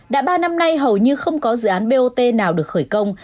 đã ba năm nay hầu như không có dự án bot nào được khởi công